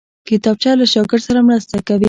کتابچه له شاګرد سره مرسته کوي